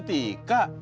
dari mumput ya